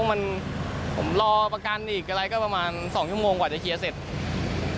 มันผมรอประกันอีกอะไรก็ประมาณ๒ชั่วโมงกว่าจะเคลียร์เสร็จ